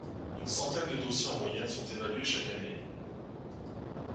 Une centaine de dossiers en moyenne sont évalués chaque année.